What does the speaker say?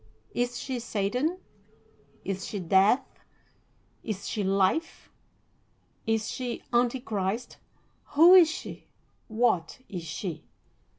Is she Satan? Is she Death? Is she Life? Is she Antichrist? Who is she? What is she?'"